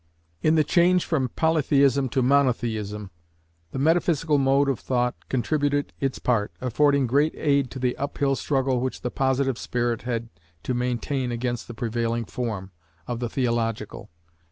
In the change from Polytheism to Monotheism, the Metaphysical mode of thought contributed its part, affording great aid to the up hill struggle which the Positive spirit had to maintain against the prevailing form, of the Theological.